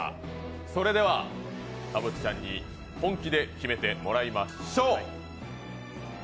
それではたぶっちゃんに本気で決めていただきましょう。